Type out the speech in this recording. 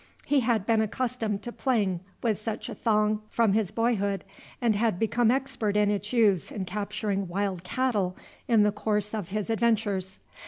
He had been accustomed to playing with such a thong from his boyhood, and had become expert in its use in capturing wild cattle in the course of his adventures.